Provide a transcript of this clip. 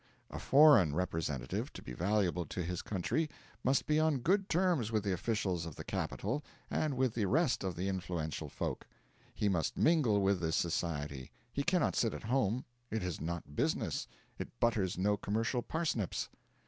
A foreign representative, to be valuable to his country, must be on good terms with the officials of the capital and with the rest of the influential folk. He must mingle with this society; he cannot sit at home it is not business, it butters no commercial parsnips.